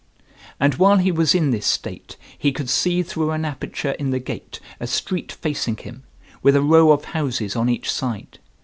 And while he was in this state, he could see through an aperture in the gate a street facing him, with a row of houses on each side.